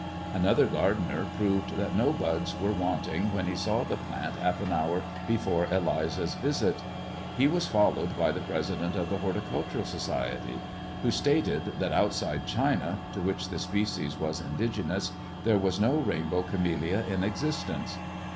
Another gardener proved that no buds were wanting when he saw the plant half an hour before Eliza's visit. He was followed by the President of the Horticultural Society, who stated that outside China, to which the species was indigenous, there was no rainbow camellia in existence.